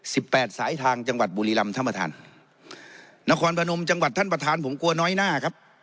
แปดสายทางจังหวัดบุรีรำท่านประธานนครพนมจังหวัดท่านประธานผมกลัวน้อยหน้าครับ